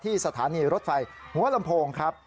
สถานีรถไฟหัวลำโพงครับ